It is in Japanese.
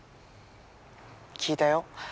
聞いたよ